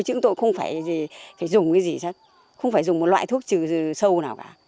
chứ tôi không phải dùng cái gì không phải dùng một loại thuốc trừ sâu nào cả